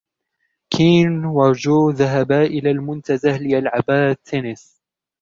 كين و جو ذهبا إلى المنتزه ليلعبا التنس.